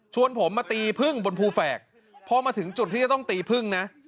ผมมาตีพึ่งบนภูแฝกพอมาถึงจุดที่จะต้องตีพึ่งนะ